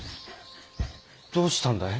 どうしたんだい？